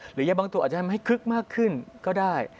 หรือยาบางตัวอาจจะให้มันคึกมากขึ้นก็ได้